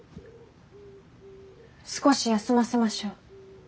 少し休ませましょう。